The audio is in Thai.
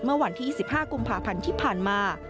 เมื่อวันที่๒๕กุมภาพันธ์ที่ผ่านมา